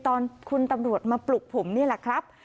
ตอนคุณตำรวจมาปลุกผมนี่แหละครับ